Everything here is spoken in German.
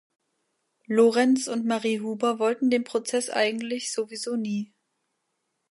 Lorenz und Marie Huber wollten den Prozess eigentlich sowieso nie.